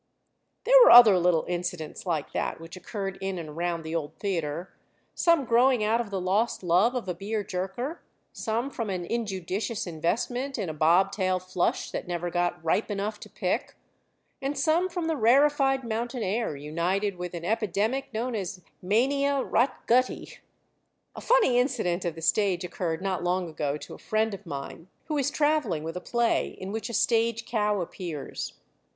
There were other little incidents like that which occurred in and around the old theater, some growing out of the lost love of a beer jerker, some from an injudicious investment in a bob tail flush that never got ripe enough to pick, and some from the rarified mountain air, united with an epidemic known as mania rotguti. A funny incident of the stage occurred not long ago to a friend of mine, who is traveling with a play in which a stage cow appears.